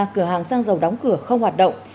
cửa hàng xăng dầu đóng cửa không hoạt động